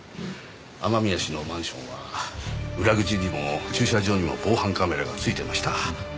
雨宮氏のマンションは裏口にも駐車場にも防犯カメラがついていました。